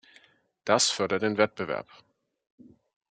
Das fördert den Wettbewerb.